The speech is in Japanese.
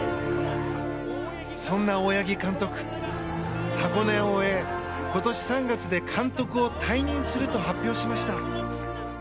そんな大八木監督、箱根を終え今年３月で監督を退任すると発表しました。